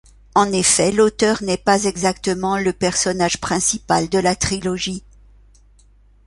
En effet, l'auteur n'est pas exactement le personnage principal de la trilogie.